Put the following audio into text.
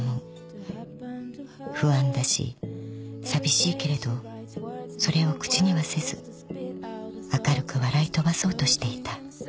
［不安だし寂しいけれどそれを口にはせず明るく笑いとばそうとしていた］